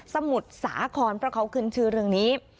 สมุดสาขอนพระเขาคืนชื่อเรื่องนี้